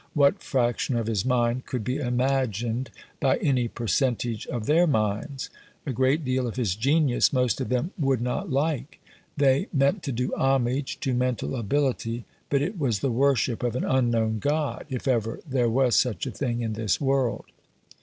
What fraction of his mind could be imagined by any percentage of their minds? A great deal of his genius most of them would not like. They meant to do homage to mental ability, but it was the worship of an unknown God if ever there was such a thing in this world.